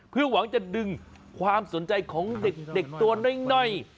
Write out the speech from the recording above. เพื่อหวังจะดึงความสนใจของเด็กตัวน้อย